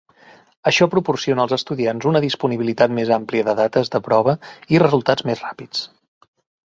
Això proporciona als estudiants una disponibilitat més àmplia de dates de prova i resultats més ràpids.